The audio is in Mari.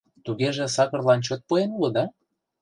— Тугеже сакырлан чот поен улыда?